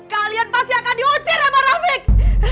kalian pasti akan diusir sama rame